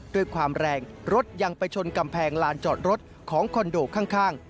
ด้วยความแรงรถยังไปชนกำแพงลานจอดรถของคอนโดข้าง